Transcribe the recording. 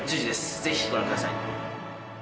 ぜひご覧ください。